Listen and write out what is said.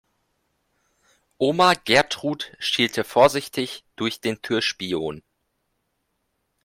Oma Gertrud schielte vorsichtig durch den Türspion.